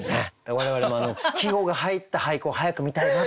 我々も季語が入った俳句を早く見たいなという思いが。